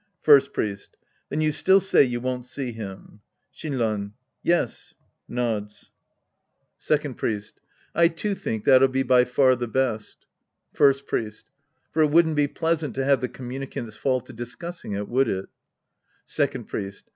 First Priest. Then you still say you won't see him. Shinran. Yes. {Nods.) 116 The Priest and His Disciples Act III Second FHest. I, too, think that'll be by fer the best. First Priest. For it wouldn't be pleasant to have the communicants fall to discussing it, would it ? Second Priest.